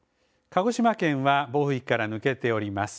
鹿児島県は暴風域から抜けております。